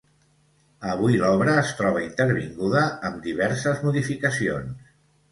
Avui l'obra es troba intervinguda amb diverses modificacions.